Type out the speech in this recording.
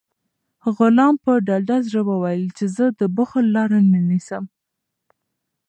غلام په ډاډه زړه وویل چې زه د بخل لاره نه نیسم.